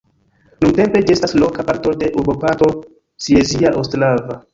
Nuntempe ĝi estas loka parto de urboparto Silezia Ostrava.